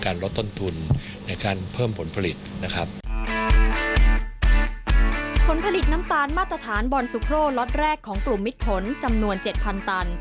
ผลลดต้นทุนในการเพิ่มผลผลิตนะครับผลผลิตน้ำตาลมาตรฐานบอนซูโครล็อตแรกของกลุ่มมิดผลจำนวนเจ็ดพันตัน